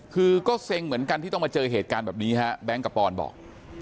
คือก็เซ็งเหมือนกันที่ต้องมาเจอเหตุการณ์แบบนี้ฮะแบงค์กับปอนบอก